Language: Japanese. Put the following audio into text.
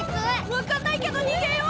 分かんないけどにげよう！